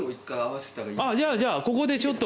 じゃあじゃあここでちょっと。